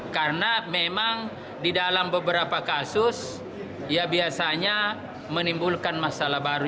karena memang di dalam beberapa kasus ya biasanya menimbulkan masalah baru